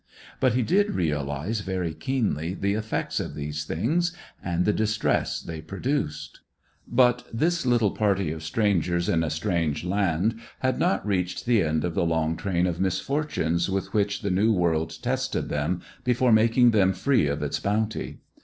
But he did realize very keenly the effects of these things, and the distress they produced. But this little party of strangers in a strange land had not reached the end of the long train of misfortunes with which the new world tested them before making them free of its bounty.